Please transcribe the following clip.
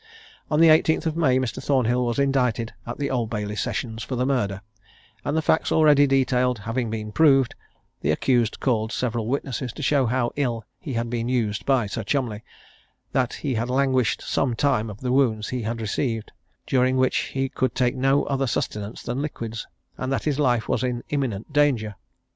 On the 18th of May, Mr. Thornhill was indicted at the Old Bailey sessions for the murder; and the facts already detailed having been proved, the accused called several witnesses to show how ill he had been used by Sir Cholmondeley; that he had languished some time of the wounds he had received; during which he could take no other sustenance than liquids, and that his life was in imminent danger.